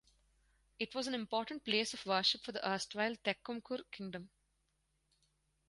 It was an important place of worship for the erstwhile Thekkumkur Kingdom.